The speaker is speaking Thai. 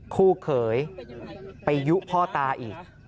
คู่เขยไปยุพ่อตาอีก